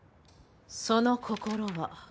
その心は？